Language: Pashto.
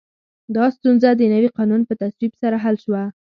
دا ستونزه د نوي قانون په تصویب سره حل شوه.